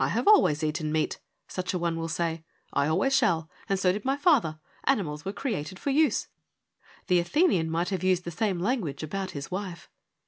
I always have eaten meat,' THE FOUR FEMINIST PLAYS 133 such an one will say ;' I always shall : and so did my father. Animals were created for use.' The Athenian might have used the same language about his wife.